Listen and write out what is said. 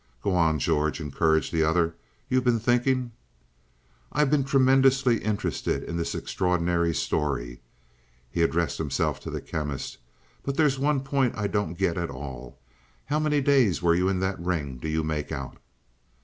"Go on, George," encouraged the other, "you've been thinking " "I've been tremendously interested in this extraordinary story" he addressed himself to the Chemist "but there's one point I don't get at all. How many days were you in that ring do you make out?"